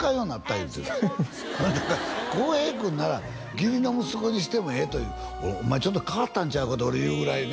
言うて洸平君なら義理の息子にしてもええというお前ちょっと変わったんちゃうかと俺言うぐらいね